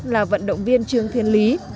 là vận động viên trương thiên lý